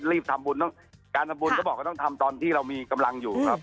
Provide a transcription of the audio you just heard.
ทำบุญต้องการทำบุญก็บอกก็ต้องทำตอนที่เรามีกำลังอยู่ครับ